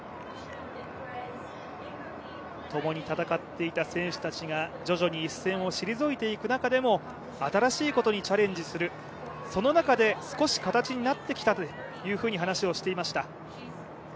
ともに戦っていた選手たちが、徐々に一線を退いていく中でも新しいことにチャレンジするその中で少し形になってきたというふうに話をしていました。